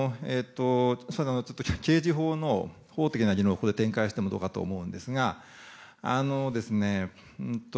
刑事法の法的な議論を展開してもどうかと思うんですが。